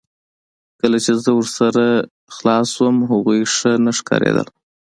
کله چې زه ورسره خلاص شوم هغوی ښه نه ښکاریدل